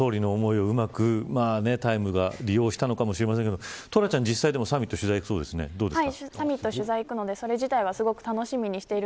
勝利の思いをうまくタイムが利用したのかもしれませんけどトラちゃん実際、サミット取材に行くそうですね、どうですか。